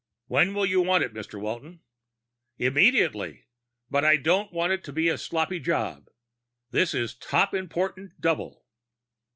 When will you want it, Mr. Walton?" "Immediately. But I don't want it to be a sloppy job. This is top important, double."